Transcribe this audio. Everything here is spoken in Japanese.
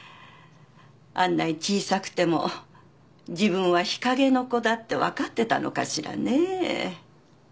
あんなに小さくても自分は日陰の子だって分かってたのかしらね。